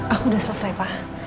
aku udah selesai pa